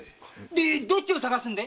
でどっちを捜すんで？